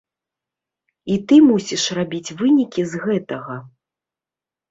І ты мусіш рабіць вынікі з гэтага.